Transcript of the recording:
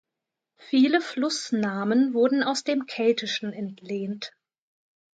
Viele Flussnamen wurden aus dem Keltischen entlehnt.